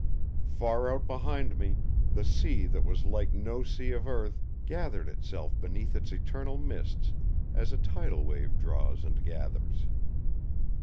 Far out behind me the sea that was like no sea of earth gathered itself beneath its eternal mists as a tidal wave draws and gathers.